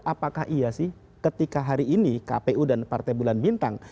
apakah iya sih ketika hari ini kpu dan partai bulan bintang